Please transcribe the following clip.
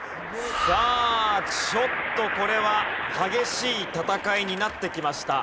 さあちょっとこれは激しい戦いになってきました。